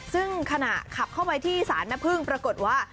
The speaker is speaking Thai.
ซึ่งขณะขับเข้าไปที่ศาลแม่พึ่งปรากฏว่า